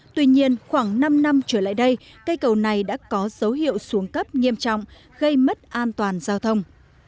tuy nhiên khoảng năm năm trở lại đây cây cầu này đã có dấu hiệu xuống cấp nghiêm trọng gây mất an toàn giao thông